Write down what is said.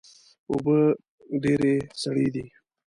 اوبه ډیرې سړې دي